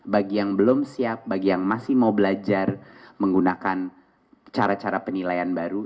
bagi yang belum siap bagi yang masih mau belajar menggunakan cara cara penilaian baru